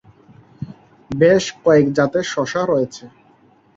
বেশ কয়েক জাতের শসা রয়েছে।